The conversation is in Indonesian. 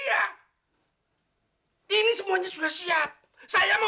astaga kamu sekarang kamu